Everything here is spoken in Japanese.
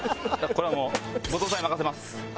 これはもう後藤さんに任せます。